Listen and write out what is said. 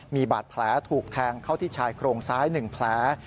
มีบาดแผลถูกแทงเข้าที่ชายโครงซ้าย๑แผล